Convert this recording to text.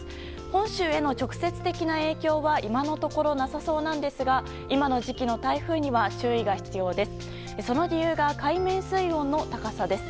本州への直接的な影響は今のところなさそうなんですが今の時期の台風には注意が必要です。